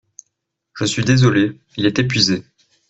Je suis désolé, il est épuisé.